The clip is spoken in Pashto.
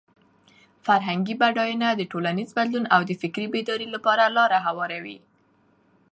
فرهنګي بډاینه د ټولنیز بدلون او د فکري بیدارۍ لپاره لاره هواروي.